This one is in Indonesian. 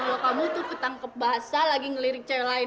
kalo kamu tuh ketangkep bahasa lagi ngelirik cewek lain